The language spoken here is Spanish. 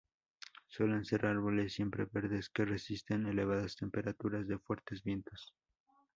Suelen ser árboles siempre verdes, que resisten elevadas temperaturas y fuertes vientos.